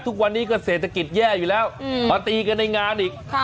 ทุกวันนี้ก็เศรษฐกิจแย่อยู่แล้วมาตีกันในงานอีก